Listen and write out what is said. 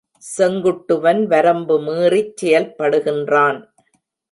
செங்குட்டுவன் வரம்பு மீறிச் செயல்படுகின்றான்.